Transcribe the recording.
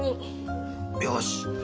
よし！